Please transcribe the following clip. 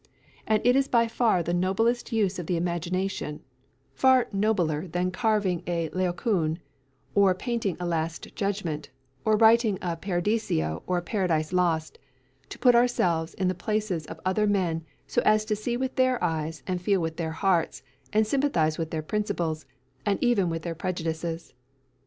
And it is by far the noblest use of the imagination, far nobler than carving a Laocoon, or painting a Last Judgment, or writing a "Paradiso" or a "Paradise Lost," to put ourselves into the places of other men so as to see with their eyes, and feel with their hearts, and sympathise with their principles, and even with their prejudices.